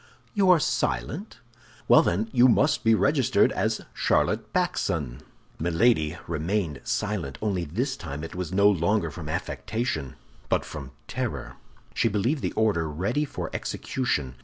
You are silent? Well, then you must be registered as Charlotte Backson." Milady remained silent; only this time it was no longer from affectation, but from terror. She believed the order ready for execution.